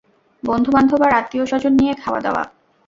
বন্ধু-বান্ধব আর আত্মীয় স্বজন নিয়ে খাওয়া দাওয়া।